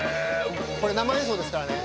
これ、生演奏ですからね。